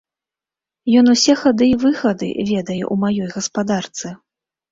Ён усе хады і выхады ведае ў маёй гаспадарцы.